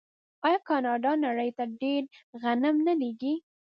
آیا کاناډا نړۍ ته ډیر غنم نه لیږي؟